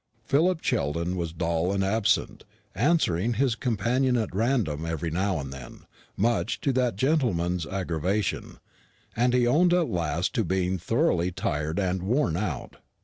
Philip Sheldon was dull and absent, answering his companion at random every now and then, much to that gentleman's aggravation; and he owned at last to being thoroughly tired and worn out.